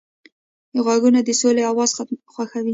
غوږونه د سولې اواز خوښوي